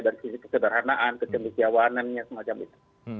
dari sisi kesederhanaan kecendekiawanannya semacam itu